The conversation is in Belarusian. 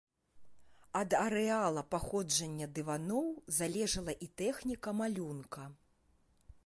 Ад арэала паходжання дываноў залежала і тэхніка малюнка.